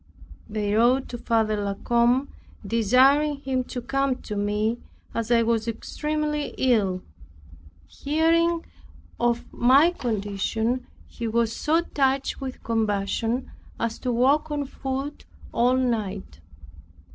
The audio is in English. They wrote to Father La Combe, desiring him to come to me, as I was so extremely ill. Hearing of my condition he was so touched with compassion as to walk on foot all night.